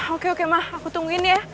oke oke mah aku tungguin ya